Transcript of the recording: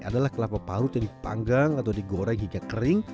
adalah kelapa parut yang dipanggang atau digoreng hingga kering